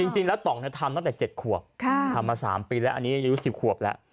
จริงแล้วต่องทำตั้งแต่๗ขวบทำมา๓ปีแล้วอันนี้อายุ๑๐ขวบแล้ว